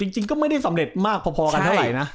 จริงก็ไม่ได้สำเร็จมากพอกันเท่าไหร่นะ